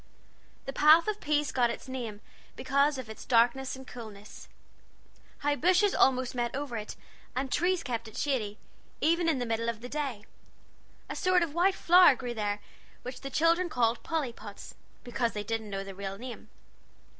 The Path of Peace got its name because of its darkness and coolness. High bushes almost met over it, and trees kept it shady, even in the middle of the day. A sort of white flower grew there, which the children called Pollypods, because they didn't know the real name.